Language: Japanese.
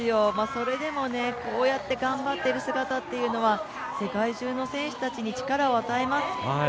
それでもこうやって頑張っている姿というのは世界中の選手たちに力を与えます。